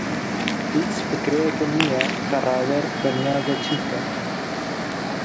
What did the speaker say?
هیچ فکرەیەکم نییە کە ڕابەر بەنیازە چی بکات.